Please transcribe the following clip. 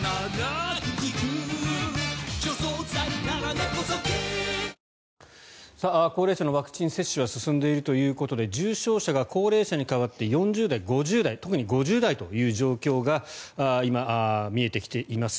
でもそれは我々も高齢者のワクチン接種が進んでいるということで重症者が高齢者に代わって４０代、５０代特に５０代という状況が今、見えてきています。